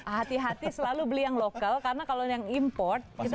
hati hati selalu beli yang lokal karena kalau yang import kita gak tau